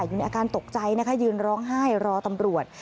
อยู่ในอาการตกใจนะคะยืนร้องไห้รอตำรวจ